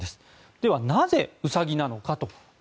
では、なぜウサギなのか。